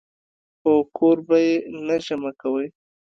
خو کور به ئې نۀ جمع کوئ -